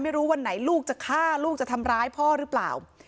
วันไหนลูกจะฆ่าลูกจะทำร้ายพ่อหรือเปล่า